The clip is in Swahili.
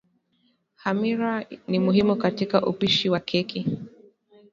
Hamira ni muhimu katika upishi wa keki